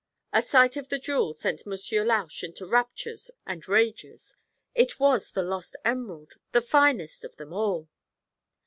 A sight of the jewel sent Monsieur Lausch into raptures and rages. It was the lost emerald, the finest of them all!